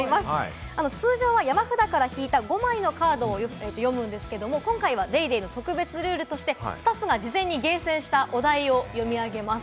通常は山札から引いた５枚のカードを引くんですが、今回は『ＤａｙＤａｙ．』の特別ルールとしてスタッフが事前に厳選した、お題を読み上げます。